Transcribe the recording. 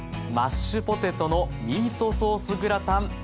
マッシュポテトのミートソースグラタン